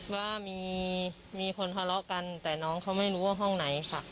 ว่ามีคนทะเลาะกันแต่น้องเขาไม่รู้ว่าห้องไหนค่ะ